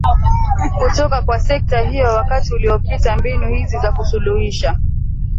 kutoka kwa sekta hiyo Wakati uliopita mbinu hizi za kusuluhisha